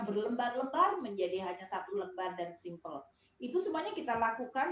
berlembar lebar menjadi hanya satu lembar dan simple itu semuanya kita lakukan